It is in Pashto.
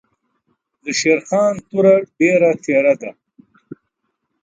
دشېرخان توره ډېره تېره ده.